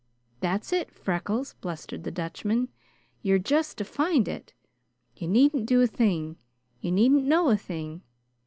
"That's it, Freckles," blustered the Dutchman, "you're just to find it. You needn't do a thing. You needn't know a thing.